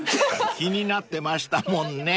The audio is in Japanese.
［気になってましたもんね］